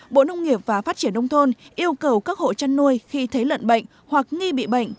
bộ nông nghiệp và phát triển nông thôn yêu cầu các hộ chăn nuôi khi thấy lợn bệnh hoặc nghi bị bệnh